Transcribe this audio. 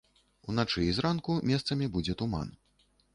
Уначы і зранку месцамі будзе туман.